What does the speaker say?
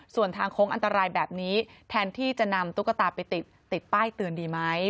ส่วนทางโค้งอันตรายแบบนี้แทนที่จะนำตุ๊กตาไปติดป้ายเตือนดีไหม